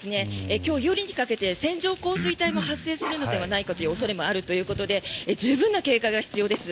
今日夜にかけて線状降水帯も発生するのではないかという恐れもあるということで十分な警戒が必要です。